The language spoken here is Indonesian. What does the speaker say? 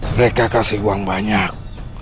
mereka kasih uang banyak